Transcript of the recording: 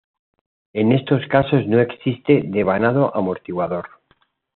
En estos casos no existe devanado amortiguador.